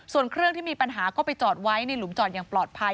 ส่วนเครื่องที่มีปัญหาก็ไปจอดไว้ในหลุมจอดอย่างปลอดภัย